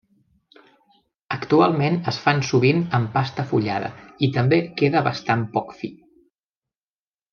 Actualment es fan sovint amb pasta fullada i també queda bastant poc fi.